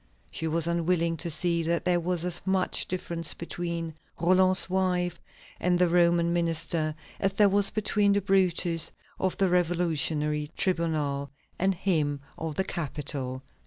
She was unwilling to see that there was as much difference between Roland's wife and the Roman minister as there was between the Brutus of the Revolutionary Tribunal and him of the Capitol.